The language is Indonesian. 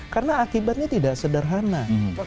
karena akibatnya tidak sederhana